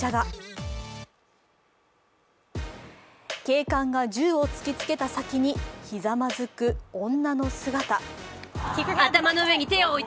警官が銃を突きつけた先にひざまずく女の姿。